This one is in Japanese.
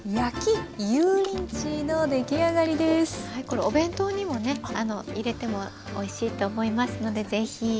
これお弁当にもね入れてもおいしいと思いますのでぜひ。